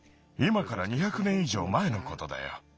いまから２００年い上まえのことだよ。